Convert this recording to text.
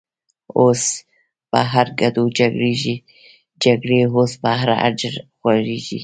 اوس په هر کډو جگیږی، اوس په هر”اجړ” خوریږی